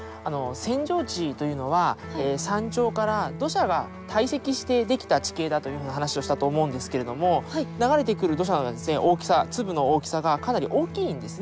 扇状地というのは山頂から土砂が堆積して出来た地形だというふうな話をしたと思うんですけれども流れてくる土砂の大きさ粒の大きさがかなり大きいんですね。